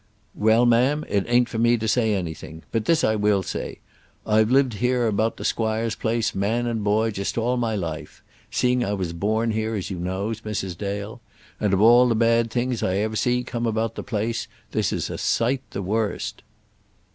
"Well, ma'am; it ain't for me to say anything. But this I will say, I've lived here about t' squire's place, man and boy, jist all my life, seeing I was born here, as you knows, Mrs. Dale; and of all the bad things I ever see come about the place, this is a sight the worst."